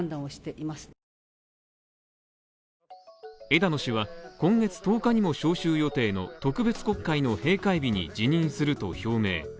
枝野氏は、今月１０日にも召集予定の特別国会の閉会日に辞任すると表明。